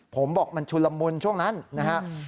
ผมบอกมันชุนละมุนช่วงนั้นนะครับ